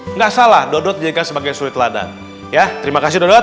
enggak salah dodot dijadikan sebagai sulit lada ya terima kasih dodot